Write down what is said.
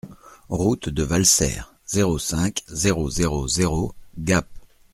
Route de Valserres, zéro cinq, zéro zéro zéro Gap